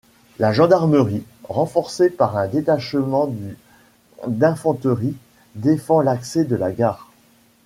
La gendarmerie, renforcée par un détachement du d’infanterie défend l’accès de la gare.